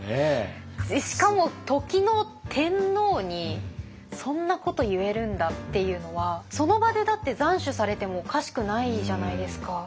しかも時の天皇にそんなこと言えるんだっていうのはその場でだって斬首されてもおかしくないじゃないですか。